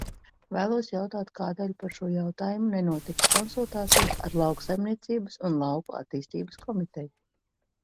Vēlos jautāt, kādēļ par šo jautājumu nenotika konsultācijas ar Lauksaimniecības un lauku attīstības komiteju?